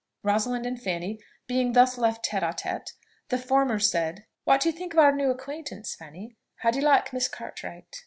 Rosalind and Fanny being thus left tête à tête, the former said, "What do you think of our new acquaintance, Fanny? How do you like Miss Cartwright?"